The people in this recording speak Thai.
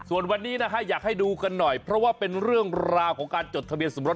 ส่วนวันนี้นะฮะอยากให้ดูกันหน่อยเพราะว่าเป็นเรื่องราวของการจดทะเบียนสมรส